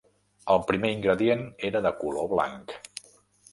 El primer ingredient era de color blanc.